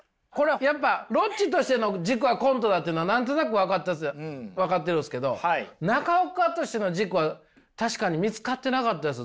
やっぱロッチとしての軸はコントだというのは何となく分かってるんですけど中岡としての軸は確かに見つかってなかったです